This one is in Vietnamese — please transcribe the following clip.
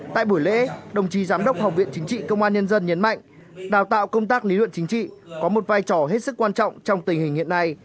tại buổi lễ đồng chí giám đốc học viện chính trị công an nhân dân nhấn mạnh đào tạo công tác lý luận chính trị có một vai trò hết sức quan trọng trong tình hình hiện nay